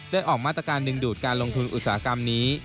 ออกมาตรการดึงดูดการลงทุนอุตสาหกรรมนี้